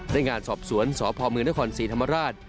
ในงานสอบสวนสพมศรีธรรมราช